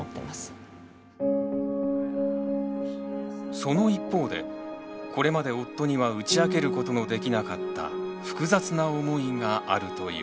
その一方でこれまで夫には打ち明けることのできなかった複雑な思いがあるという。